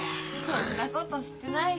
そんなことしてないよ。